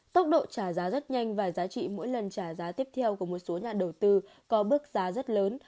tốc độ trả giá rất nhanh và giá trị mỗi lần trả giá tiếp theo của một số nhà đầu tư có bước giá rất lớn